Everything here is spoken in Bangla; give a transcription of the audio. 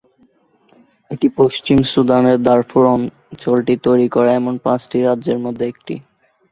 এটি পশ্চিম সুদানের দারফুর অঞ্চলটি তৈরি করে এমন পাঁচটি রাজ্যের মধ্যে একটি।